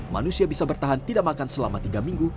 manusia bisa bertahan tidak makan selama tiga minggu